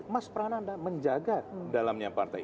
mas prananda menjaga dalamnya partai